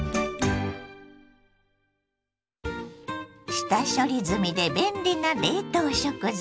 下処理済みで便利な冷凍食材